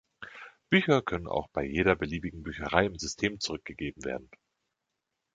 Bücher können auch bei jeder beliebigen Bücherei im System zurückgegeben werden.